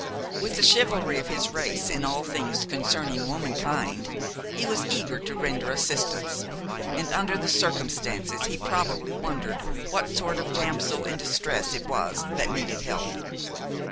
With the chivalry of his race in all things concerning womankind, he was eager to render assistance, and under the circumstances he probably wondered what sort of damsel in distress it was that needed help.